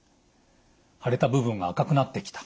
腫れた部分が赤くなってきた。